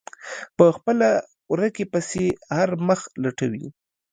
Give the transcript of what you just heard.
په خپله ورکې پسې هر مخ لټوي.